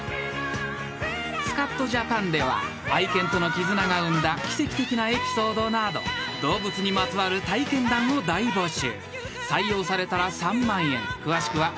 ［『スカッとジャパン』では愛犬との絆が生んだ奇跡的なエピソードなど動物にまつわる体験談を大募集］